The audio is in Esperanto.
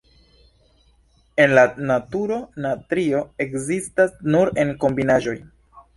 En la naturo, natrio ekzistas nur en kombinaĵoj.